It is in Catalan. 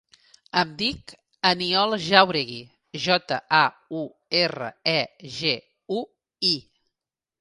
Em dic Aniol Jauregui: jota, a, u, erra, e, ge, u, i.